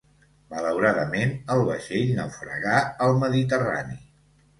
Malauradament el vaixell naufragà al Mediterrani.